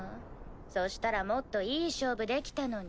そしたらもっといい勝負できたのに。